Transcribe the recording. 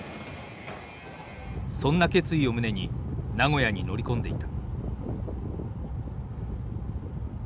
そんな決意を胸に名古屋に乗り込んでいた。